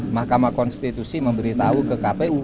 mahkamah konstitusi memberitahu ke kpu